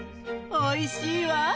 おいしいわ。